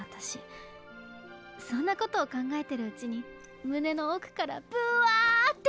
そんなことを考えてるうちにむねのおくからブワッて！